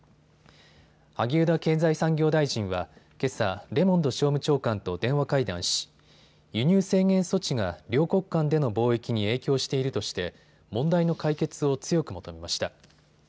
萩生田経済産業大臣はけさ、レモンド商務長官と電話会談し、輸入制限措置が両国間での貿易に影響しているとして問題の解決を強く求めました。